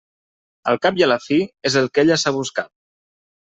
Al cap i a la fi és el que ella s'ha buscat.